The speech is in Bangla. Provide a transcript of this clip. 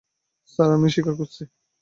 স্যার, আমি স্বীকার করছি।